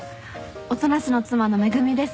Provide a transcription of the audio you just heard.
音無の妻の恵美です。